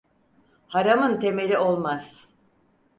Haramın temeli olmaz.